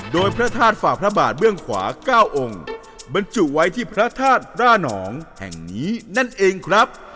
โดยพระธาตุฝ่าพระบาทเบื้องขวา๙องค์บรรจุไว้ที่พระธาตุร่านองแห่งนี้นั่นเองครับ